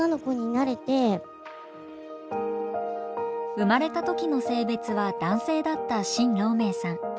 生まれた時の性別は男性だった清楼銘さん。